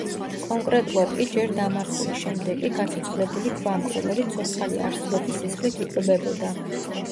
კონკრეტულად კი ჯერ დამარხული, შემდეგ კი გაცოცხლებული გვამი, რომელიც ცოცხალი არსებების სისხლით იკვებებოდა.